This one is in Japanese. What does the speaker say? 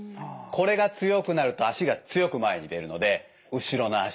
これが強くなると足が強く前に出るので後ろの足